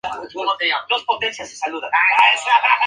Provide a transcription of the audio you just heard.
El retorno se debió al mal tiempo.